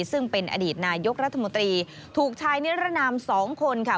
ซึ่งเป็นอดีตนายกรัฐมนตรีถูกชายนิรนามสองคนค่ะ